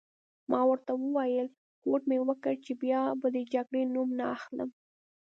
ما ورته وویل: هوډ مي وکړ چي بیا به د جګړې نوم نه اخلم.